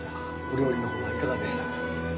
お料理の方はいかがでしたか。